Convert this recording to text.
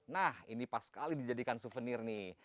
nah ini pas sekali dijadikan souvenir nih